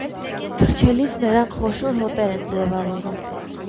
Թռչելիս նրանք խոշոր հոտեր են ձևավորում։